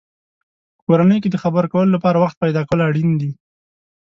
په کورنۍ کې د خبرو کولو لپاره وخت پیدا کول اړین دی.